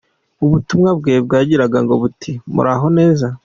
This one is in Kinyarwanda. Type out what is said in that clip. Ubutumwa bwe bwagiraga buti : Muraho neza.